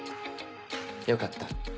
よかった。